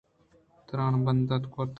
تران بندات گتگ۔